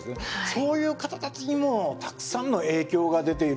そういう方たちにもたくさんの影響が出ている。